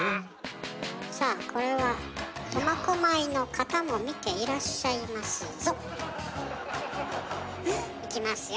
さあこれは「とまこまい」の方も見ていらっしゃいますぞ。いきますよ？